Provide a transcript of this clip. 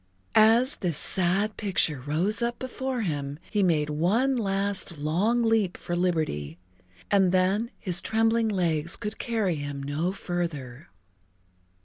As this sad picture rose up before him he made one last long leap for liberty, and then his trembling legs could carry him no further.